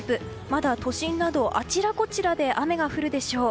まだ都心などあちらこちらで雨が降るでしょう。